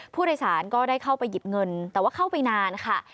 ผู้โดยสารก็ได้เข้าไปหยิบเงินแต่ว่าเข้าไปนานค่ะ